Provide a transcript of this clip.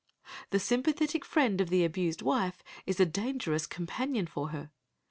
The sympathetic friend of the abused wife is a dangerous companion for her.